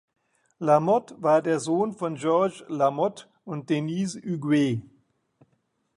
Lamotte war der Sohn von Georges Lamotte und Denise Huguet.